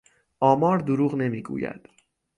آمار دروغ نمیگوید.